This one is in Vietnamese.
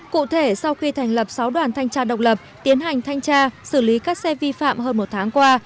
cụ thể sau khi thành lập sáu đoàn thanh tra độc lập tiến hành thanh tra xử lý các xe vi phạm hơn một tháng qua